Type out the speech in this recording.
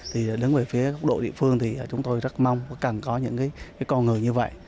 thì đứng về phía góc độ địa phương thì chúng tôi rất mong cần có những con người như vậy